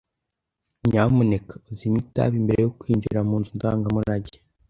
Nyamuneka uzimye itabi mbere yo kwinjira mu nzu ndangamurage.